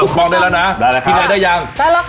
ทุกครองได้ละนะถึงนายได้ยัง